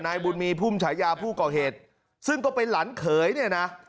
นายบุญมีพุ่มฉายาผู้ก่อเหตุซึ่งก็เป็นหลานเขยเนี่ยนะ